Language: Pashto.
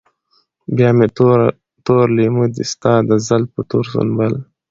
بيا مې تور لېمه دي ستا د زلفو تور سنبل